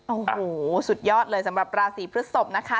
โอ้โหสุดยอดเลยสำหรับราศีพฤศพนะคะ